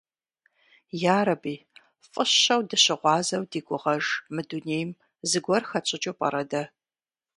Ярэби, фӏыщэу дызыщыгъуазэу ди гугъэж мы дунейм зыгуэр хэтщӏыкӏыу пӏэрэ дэ?